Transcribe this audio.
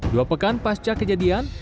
dua pekan pasca kejadian